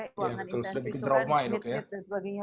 iya betul sedikit trauma ya dok ya